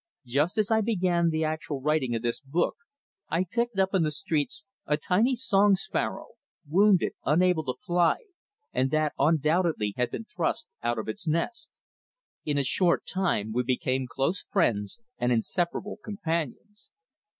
Just as I began the actual writing of this book I picked up in the streets a tiny song sparrow, wounded, unable to fly, and that undoubtedly had been thrust out of its nest. In a short time we became close friends and inseparable companions.